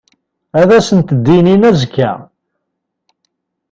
Ad sent-d-inin azekka.